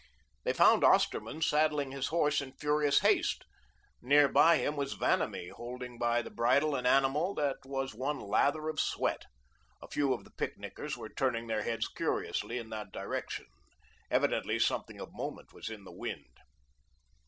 They found Osterman saddling his horse in furious haste. Near by him was Vanamee holding by the bridle an animal that was one lather of sweat. A few of the picnickers were turning their heads curiously in that direction. Evidently something of moment was in the wind.